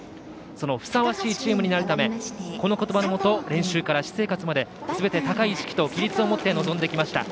ふさわしいチームになるためこの言葉のもと練習から私生活まですべて高い意識と規律を持って臨んできました。